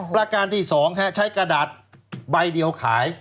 ประการที่๒ใช้กระดาษใบเดียวขาย